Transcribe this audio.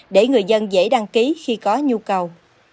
để người dân dễ đăng ký khi có nhu cầu